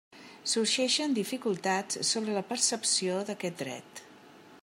Sorgeixen dificultats sobre la percepció d'aquest dret.